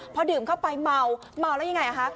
พอดื่มเข้าไปเมาเมาแล้วยังไงคะ